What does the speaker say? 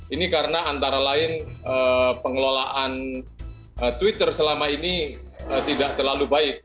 ini karena antara lain pengelolaan twitter selama ini tidak terlalu baik